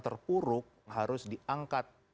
terpuruk harus diangkat